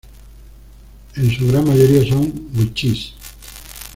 En su gran mayoría, son wichís.